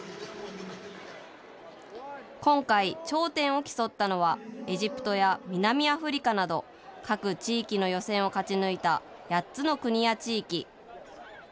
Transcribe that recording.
今回、頂点を競ったのはエジプトや南アフリカなど各地域の予選を勝ち抜いた８つの国や地域。